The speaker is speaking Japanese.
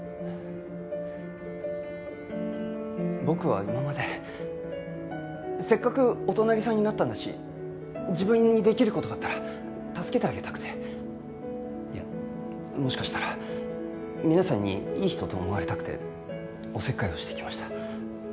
僕は今までせっかくお隣さんになったんだし自分にできる事があったら助けてあげたくていやもしかしたら皆さんにいい人と思われたくておせっかいをしてきました。